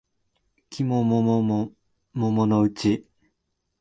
季も桃も桃のうち